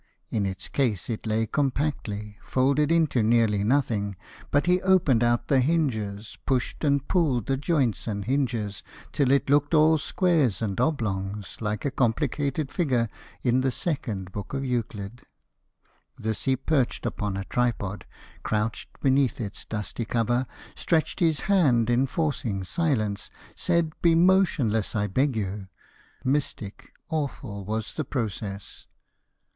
In its case it lay compactly, Folded into nearly nothing; But he opened out the hinges, Pushed and pulled the joints and hinges, Till it looked all squares and oblongs, Like a complicated figure In the Second Book of Euclid. This he perched upon a tripod Crouched beneath its dusky cover Stretched his hand, enforcing silence Said "Be motionless, I beg you!" Mystic, awful was the process.